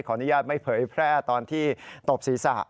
อนุญาตไม่เผยแพร่ตอนที่ตบศีรษะ